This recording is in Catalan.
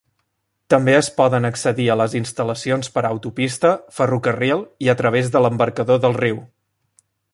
També es poden accedir a les instal·lacions per autopista, ferrocarril i a través de l'embarcador del riu.